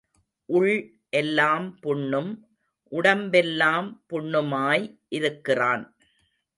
உள் எல்லாம் புண்ணும் உடம்பெல்லாம் புண்ணுமாய் இருக்கிறான்.